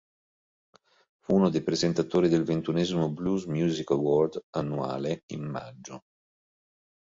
Fu uno dei presentatori del ventiduesimo Blues Music Award annuale in maggio.